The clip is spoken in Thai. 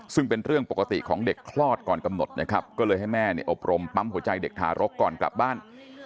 ซึ่งเป็นเรื่องปกติของเด็กคลอดก่อนกำหนดนะครับก็เลยให้แม่เนี่ยอบรมปั๊มหัวใจเด็กทารกก่อนกลับบ้าน